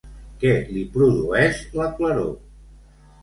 Què li produeix la claror?